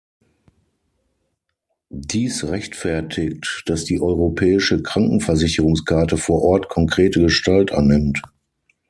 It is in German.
Dies rechtfertigt, dass die europäische Krankenversicherungskarte vor Ort konkrete Gestalt annimmt.